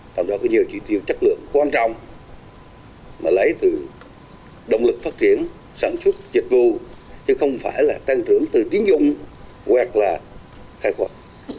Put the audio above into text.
trong đó có nhiều chỉ tiêu chất lượng quan trọng mà lấy từ động lực phát triển sản xuất dịch vụ chứ không phải là tăng trưởng từ tiến dụng hoặc là khai quật